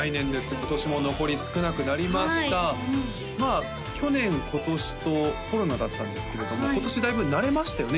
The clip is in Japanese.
今年も残り少なくなりましたまあ去年今年とコロナだったんですけれども今年だいぶ慣れましたよね